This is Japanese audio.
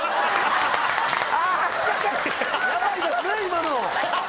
今の。